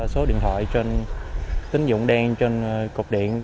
số điện thoại trên tính dụng đen trên cục điện